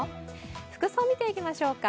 服装を見ていきましょうか。